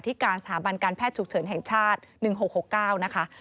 การสถาบันการแพทย์ฉุกเฉินแห่งชาติ๑๖๖๙นะคะ